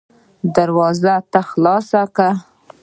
دروازه تا خلاصه کړه.